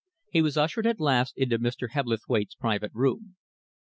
He was ushered at last into Mr. Hebblethwaite's private room.